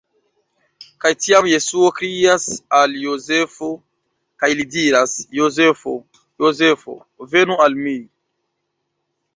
Kaj tiam Jesuo krias al Jozefo, kaj li diras: "Jozefo! Jozefo, venu al mi!